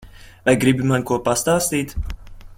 Vai gribi man ko pastāstīt?